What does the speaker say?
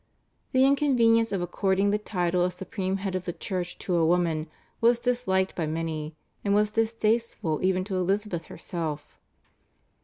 The inconvenience of according the title of supreme head of the Church to a woman was disliked by many, and was distasteful even to Elizabeth herself.